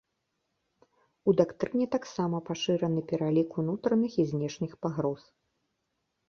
У дактрыне таксама пашыраны пералік унутраных і знешніх пагроз.